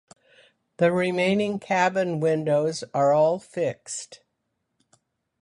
The remaining cabin windows are all fixed.